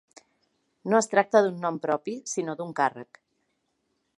No es tracta d'un nom propi, sinó d'un càrrec.